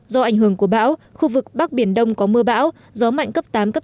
do ảnh hưởng của bão khu vực bắc biển đông có mưa bão gió mạnh cấp tám cấp năm